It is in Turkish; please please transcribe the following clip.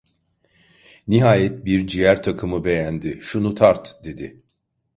Nihayet bir ciğer takımı beğendi: "Şunu tart!" dedi.